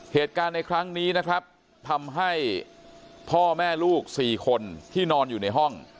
เหตุการณ์ในครั้งนี้นะครับทำให้พ่อแม่ลูก๔คนที่นอนอยู่ในห้อง